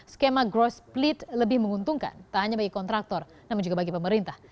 skema growth split lebih menguntungkan tak hanya bagi kontraktor namun juga bagi pemerintah